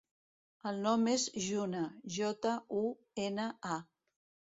El nom és Juna: jota, u, ena, a.